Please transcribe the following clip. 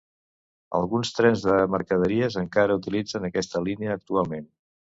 Alguns trens de mercaderies encara utilitzen aquesta línia actualment.